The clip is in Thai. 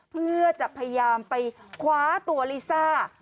เพื่อจะพยายามไปคว้าตัวลิซ่า